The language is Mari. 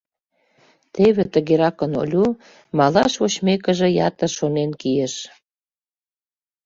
Теве тыгеракын Олю, малаш вочмекыже, ятыр шонен кийыш.